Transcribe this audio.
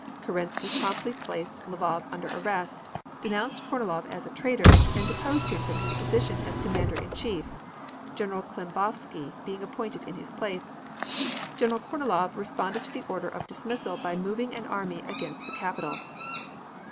Kerensky promptly placed Lvov under arrest, denounced Kornilov as a traitor and deposed him from his position as Commander in Chief, General Klembovsky being appointed in his place. General Kornilov responded to the order of dismissal by moving an army against the Capital.